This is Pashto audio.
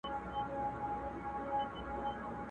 چي ور ياده د پيشو به يې ځغستا سوه!.